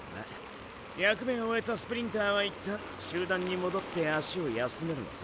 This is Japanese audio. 役目を終えたスプリンターは一旦集団に戻って足を休めるのさ。